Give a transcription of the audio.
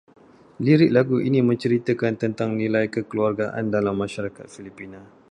Lirik lagu ini menceritakan tentang nilai kekeluargaan dalam masyarakat Filipina